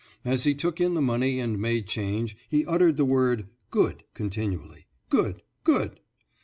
As he took in the money and made change, he uttered the word, "Good," continually, "good, good."